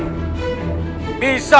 agar pengadilan istana